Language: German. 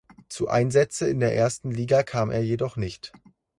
Zu Einsätze in der ersten Liga kam er jedoch nicht.